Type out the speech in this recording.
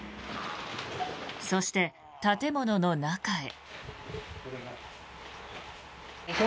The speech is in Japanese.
そして、建物の中へ。